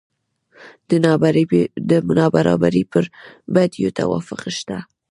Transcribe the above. د نابرابرۍ پر بدیو توافق شته.